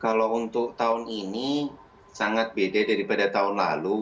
kalau untuk tahun ini sangat beda daripada tahun lalu